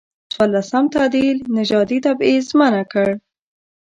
څورلسم تعدیل نژادي تبعیض منع کړ.